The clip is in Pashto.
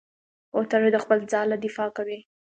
کوتره د خپل ځاله دفاع کوي.